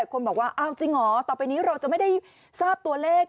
คนบอกว่าอ้าวจริงเหรอต่อไปนี้เราจะไม่ได้ทราบตัวเลข